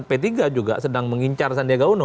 p tiga juga sedang mengincar sandiaga uno